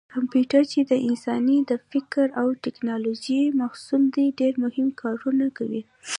کمپیوټر چې د انسان د فکر او ټېکنالوجۍ محصول دی ډېر مهم کارونه کوي.